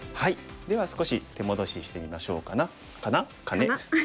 では少し手戻ししてみましょうかな。かな？かね。